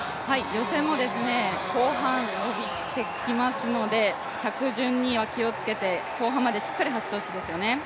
予選も後半伸びてきますので、着順には気をつけて後半までしっかり走ってほしいですよね。